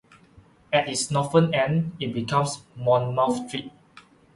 At its northern end, it becomes Monmouth Street.